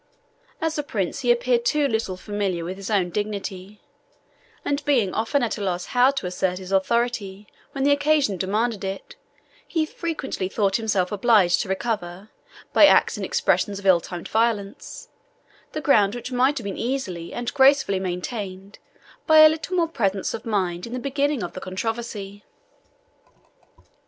As a prince, he appeared too little familiar with his own dignity; and being often at a loss how to assert his authority when the occasion demanded it, he frequently thought himself obliged to recover, by acts and expressions of ill timed violence, the ground which might have been easily and gracefully maintained by a little more presence of mind in the beginning of the controversy.